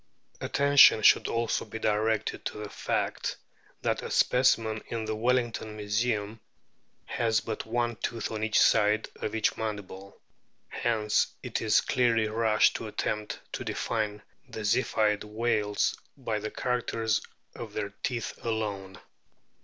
Attention should also be directed to the fact that a specimen in the Welling ton Museum has but one tooth on each side of each mandible, hence it is clearly rash to attempt to define the Ziphioid whales by the characters of their teeth alone.